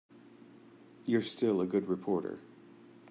You're still a good reporter.